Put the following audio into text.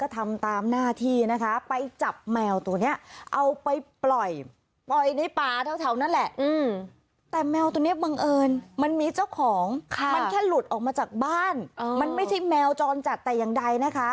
ที่แมวจรจัดแต่อย่างใดนะคะ